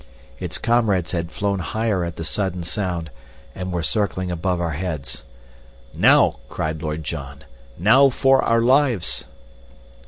Its comrades had flown higher at the sudden sound, and were circling above our heads. "Now," cried Lord John, "now for our lives!"